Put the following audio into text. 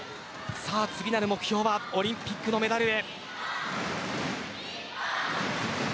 次なる目標はオリンピックのメダルへ。